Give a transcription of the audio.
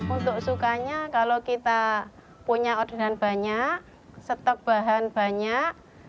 untuk sukanya kalau kita punya organ banyak stok bahan banyak